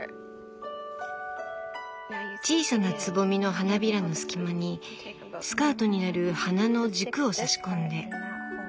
小さなつぼみの花びらの隙間にスカートになる花の軸を差し込んで。